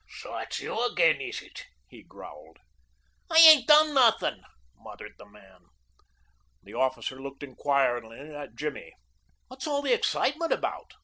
"So, it's you again, is it?" he growled. "I ain't done nuthin'," muttered the man. The officer looked inquiringly at Jimmy. "What's all the excitement about?"